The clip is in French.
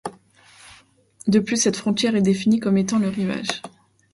De plus, cette frontière est définie comme étant le rivage.